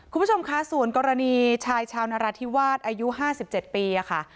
คุณผู้ชมค่ะส่วนกรณีชายชาวนราธิวาสอายุห้าสิบเจ็ดปีอ่ะค่ะ